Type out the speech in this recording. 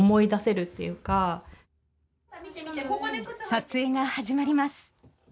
撮影が始まります。